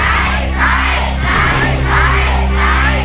ใช้